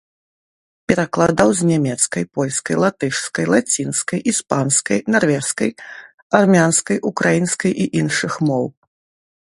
Перакладаў з нямецкай, польскай, латышскай, лацінскай, іспанскай, нарвежскай, армянскай, украінскай і іншых моў.